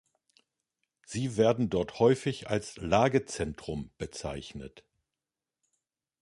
Sie werden dort häufig als Lagezentrum bezeichnet.